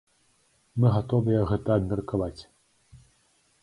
Мы гатовыя гэта абмеркаваць.